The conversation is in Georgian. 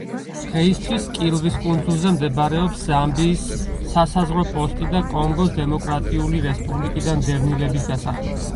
დღეისათვის კილვის კუნძულზე მდებარეობს ზამბიის სასაზღვრო პოსტი და კონგოს დემოკრატიული რესპუბლიკიდან დევნილების დასახლება.